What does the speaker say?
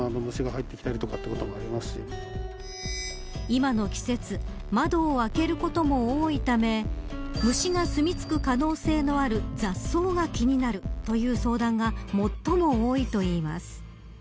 今の季節窓を開けることも多いため虫が住み着く可能性のある雑草が気になるという相談が最も多いといいます。